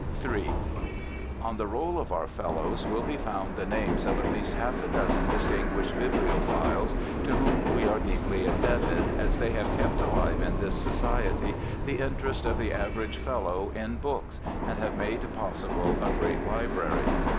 Ill On the roll of our Fellows will be found the names of at least half a dozen distinguished bibliophiles to whom we are deeply indebted, as they have kept alive in this society the interest of the average Fellow in books, and have made possible a great library.